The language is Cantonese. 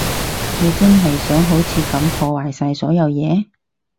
你真係想好似噉破壞晒所有嘢？